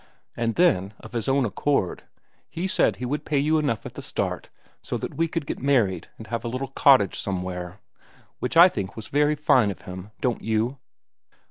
And then, of his own accord, he said he would pay you enough at the start so that we could get married and have a little cottage somewhere. Which I think was very fine of him—don't you?"